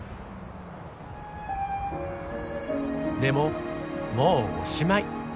でももうおしまい。